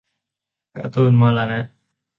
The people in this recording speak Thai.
การ์ตูนมรณะ